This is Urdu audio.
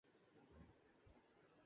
میری مدد کرو